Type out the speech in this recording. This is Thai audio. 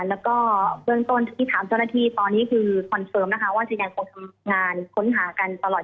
แล้วก็เบื้องต้นที่ถามเจ้าหน้าที่ตอนนี้คือคอนเฟิร์มนะคะว่าจะยังคงทำงานค้นหากันตลอด